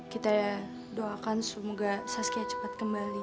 kita ya doakan semoga saskia cepat kembali